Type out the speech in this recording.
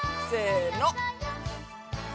せの！